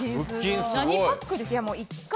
何パックですか？